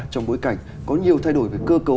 trong bối cảnh có nhiều thay đổi về cơ cấu